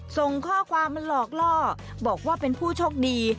ส่งข้อความมาหลอกล่อบอกว่าเป็นผู้โชคดี